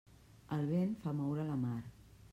El vent fa moure la mar.